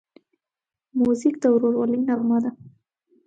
موزیک د ورورولۍ نغمه ده.